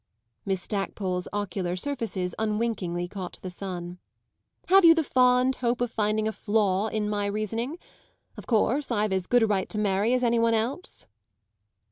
Miss Stackpole's ocular surfaces unwinkingly caught the sun. "Have you the fond hope of finding a flaw in my reasoning? Of course I've as good a right to marry as any one else."